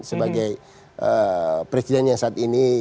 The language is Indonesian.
sebagai presiden yang saat ini